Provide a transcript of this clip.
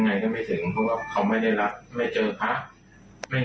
เราก็จะเริ่มดีขึ้นดีขึ้นดีขึ้นนะครับสุขใจสบายใจ